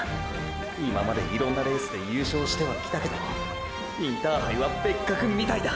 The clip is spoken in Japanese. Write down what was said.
今までいろんなレースで優勝してはきたけどインターハイは別格みたいだ！！